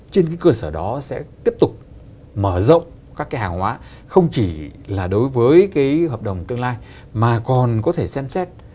trên cái cơ sở đó sẽ tiếp tục mở rộng các cái hàng hóa không chỉ là đối với cái hợp đồng tương lai mà còn có thể xem xét